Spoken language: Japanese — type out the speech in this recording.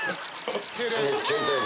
めっちゃ痛い。